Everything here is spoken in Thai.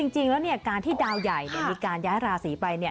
จริงแล้วการที่ดาวใหญ่มีการย้ายราศีไป